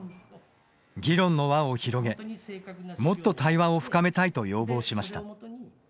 議論の輪を広げもっと対話を深めたいと要望しました。